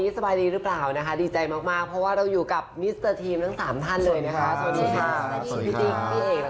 สบายดีหรือเปล่าข่าวไม่เคยรู้ตื่นดูเธอไม่อยู่แอบดูแวะมอง